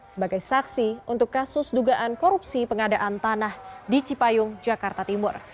sebagai saksi untuk kasus dugaan korupsi pengadaan tanah di cipayung jakarta timur